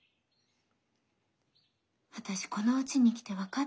私このうちに来て分かったの。